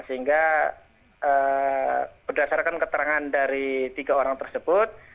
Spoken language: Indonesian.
sehingga berdasarkan keterangan dari tiga orang tersebut